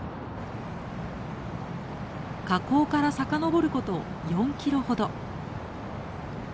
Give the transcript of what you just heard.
河口から遡ること４キロほど。